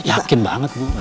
yakin banget bu